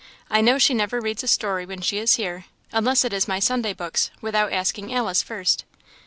I know she never reads a story when she is here, unless it is my Sunday books, without asking Alice first."